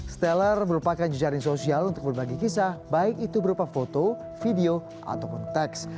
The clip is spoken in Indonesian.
stellar merupakan jejaring sosial untuk berbagi kisah baik itu berupa foto video atau konteks